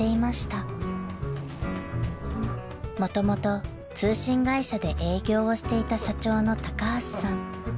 ［もともと通信会社で営業をしていた社長の橋さん］